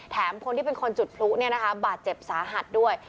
คนที่เป็นคนจุดพลุเนี่ยนะคะบาดเจ็บสาหัสด้วย